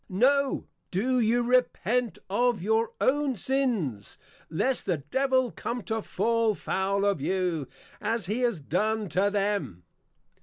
_ No, Do you Repent of your own Sins, Lest the Devil come to fall foul of you, as he has done to them.